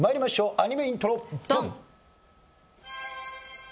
アニメイントロドン！